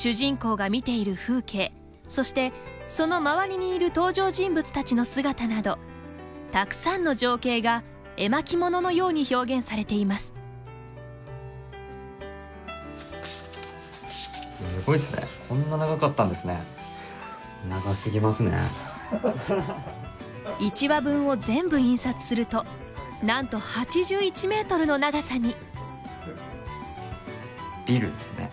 主人公が見ている風景そして、その周りにいる登場人物たちの姿などたくさんの情景が絵巻物のように１話分を全部印刷するとなんと８１メートルの長さに。